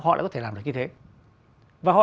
họ lại có thể làm được như thế và họ